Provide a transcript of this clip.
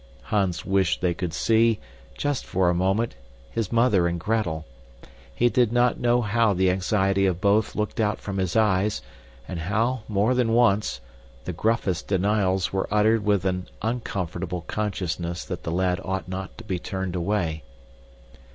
Hans wished they could see, just for a moment, his mother and Gretel. He did not know how the anxiety of both looked out from his eyes, and how, more than once, the gruffest denials were uttered with an uncomfortable consciousness that the lad ought not be turned away.